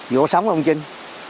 vỗ sống ông trinh